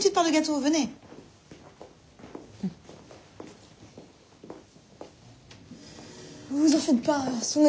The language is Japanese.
うん。